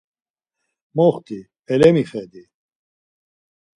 Moxti elemixedi.